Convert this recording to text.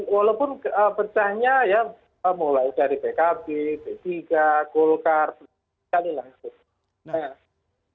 walaupun becahnya ya mulai dari pkb b tiga golkar sekali lagi